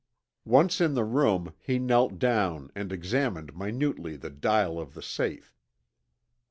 Once in the room he knelt down and examined minutely the dial of the safe.